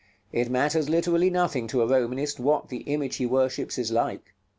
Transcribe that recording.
It matters literally nothing to a Romanist what the image he worships is like.